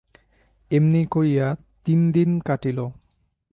এমনি করিয়া তিন দিন কাটিল।